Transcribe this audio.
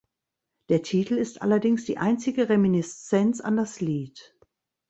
Der Titel ist allerdings die einzige Reminiszenz an das Lied.